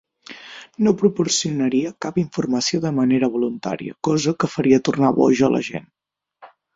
No proporcionaria cap informació de manera voluntària, cosa que faria tornar boja la gent.